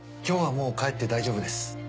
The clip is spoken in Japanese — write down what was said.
今日はもう帰って大丈夫です。